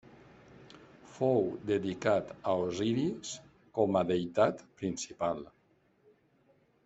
Fou dedicat a Osiris com a deïtat principal.